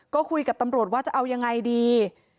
ก็คุยกับตำรวจว่าจะเอายังไงดี